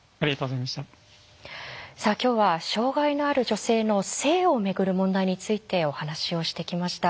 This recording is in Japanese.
さあ今日は障害のある女性の性をめぐる問題についてお話をしてきました。